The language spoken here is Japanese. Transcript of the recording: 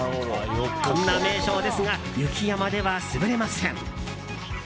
こんな名称ですが雪山では滑れません。